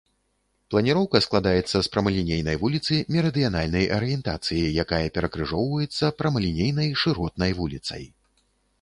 Планіроўка складаецца з прамалінейнай вуліцы мерыдыянальнай арыентацыі, якая перакрыжоўваецца прамалінейнай шыротнай вуліцай.